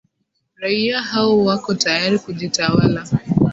raia hao wako tayari kujitawala